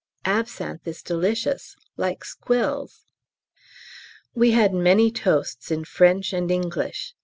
Absinthe is delicious, like squills. We had many toasts in French and English.